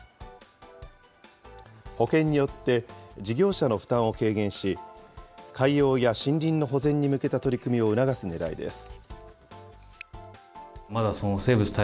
保険によって事業者の負担を軽減し、海洋や森林の保全に向けた取り組みを促すねらいです。